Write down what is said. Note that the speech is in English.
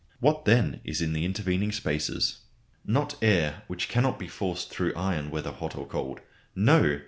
What then is in the intervening spaces? Not air, which cannot be forced through iron whether hot or cold. No!